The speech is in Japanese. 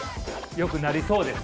よくなりそうです。